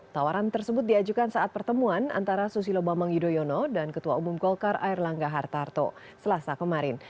tawaran tersebut diajukan saat pertemuan antara susilo bambang yudhoyono dan ketua umum golkar air langga hartarto selasa kemarin